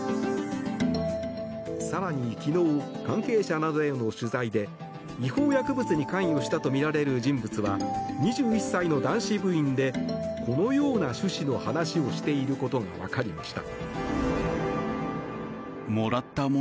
更に昨日、関係者などへの取材で違法薬物に関与したとみられる人物は２１歳の男子部員でこのような趣旨の話をしていることが分かりました。